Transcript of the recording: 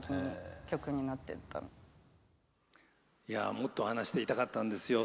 もっと話していたかったんですよ。